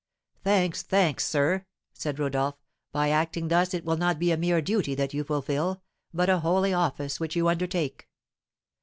"Thanks, thanks, sir!" said Rodolph; "by acting thus it will not be a mere duty that you fulfil, but a holy office which you undertake."